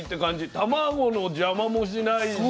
卵の邪魔もしないし。